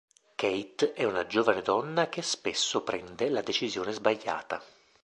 Kate è una giovane donna che spesso prende la decisione sbagliata.